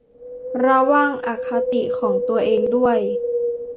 ระวังอคติของตัวเองด้วย